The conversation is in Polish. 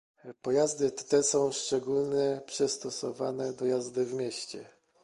Pojazdy te są szczególnie przystosowane do jazdy w mieście